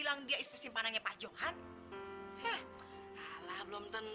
kamu itu bukan hanya murahan